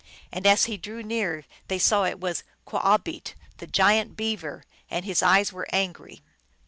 And as he drew near they saw it was Quahbeet, the giant beaver, and his eyes were angry.